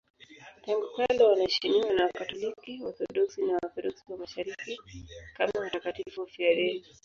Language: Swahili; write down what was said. Tangu kale wanaheshimiwa na Wakatoliki, Waorthodoksi na Waorthodoksi wa Mashariki kama watakatifu wafiadini.